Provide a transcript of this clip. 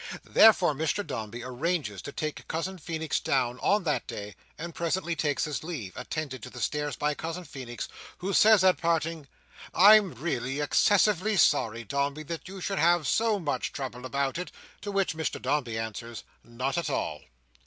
Therefore Mr Dombey arranges to take Cousin Feenix down on that day, and presently takes his leave, attended to the stairs by Cousin Feenix, who says, at parting, "I'm really excessively sorry, Dombey, that you should have so much trouble about it;" to which Mr Dombey answers, "Not at all."